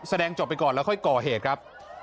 จบไปก่อนแล้วค่อยก่อเหตุครับ